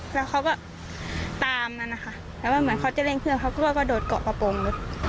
แล้วเขาก็ตามนั้นนะคะแล้วก็เหมือนเขาจะเร่งเครื่องเขาก็ว่ากระโดดเกาะกระโปรงรถ